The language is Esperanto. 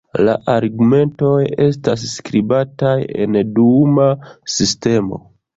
La argumentoj estas skribataj en duuma sistemo.